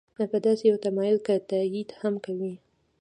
په داسې یو تمایل که تایید هم کوي.